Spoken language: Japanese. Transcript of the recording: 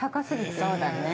◆そうだね。